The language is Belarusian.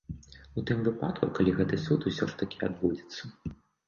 У тым выпадку, калі гэты суд усё ж такі адбудзецца.